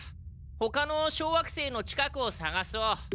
ほかの小惑星の近くをさがそう。